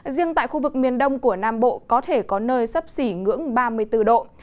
riêng tại khu vực miền đông của nam bộ có thể có nơi sấp xỉ ngưỡng ba mươi bốn độ